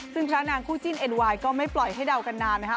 ซึ่งพระนางคู่จิ้นเอ็นไวน์ก็ไม่ปล่อยให้เดากันนานนะคะ